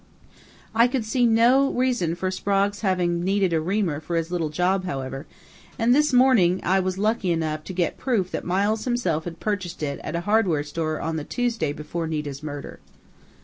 I could see no reason for Sprague's having needed a reamer for his little job, however, and this morning I was lucky enough to get proof that Miles himself had purchased it at a hardware store on the Tuesday before Nita's murder."